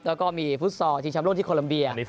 แล้วก็จะมีฟุตบอลจริงแชมป์โลญที่โคลอมเบีย